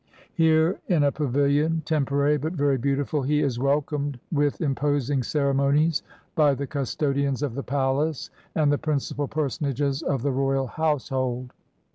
Here, in a pavilion, temporary but very beautiful, he is welcomed with imposing ceremonies by the custodians of the palace and the principal personages of the royal household.